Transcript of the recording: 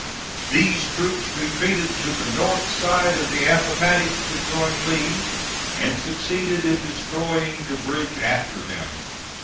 These troops retreated to the north side of the Appomattox to join Lee, and succeeded in destroying the bridge after them.